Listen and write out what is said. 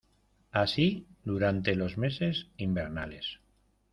Así durante los meses invernales.